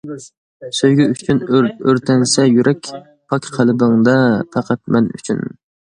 سۆيگۈ ئۈچۈن ئۆرتەنسە يۈرەك، پاك قەلبىڭدە پەقەت مەن ئۈچۈن.